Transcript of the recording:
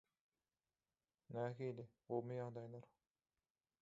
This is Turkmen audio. Nähili gowumy ýagdaýlar